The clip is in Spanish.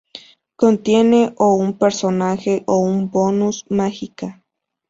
Contiene o un personaje o un bonus mágica.